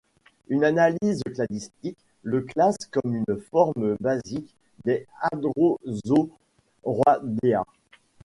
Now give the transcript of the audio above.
Une analyse cladistique le classe comme une forme basique des Hadrosauroidea.